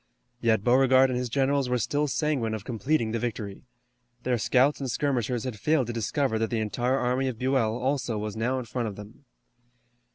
Yet Beauregard and his generals were still sanguine of completing the victory. Their scouts and skirmishers had failed to discover that the entire army of Buell also was now in front of them.